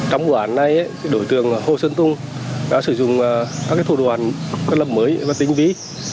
trong quản này đội tường hồ sơn tùng đã sử dụng các thủ đoàn cơ lập mới và tính ví